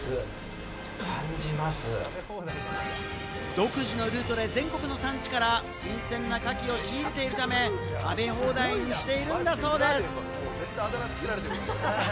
独自のルートで全国の産地から新鮮なカキを仕入れているため、食べ放題にしているんだそうです。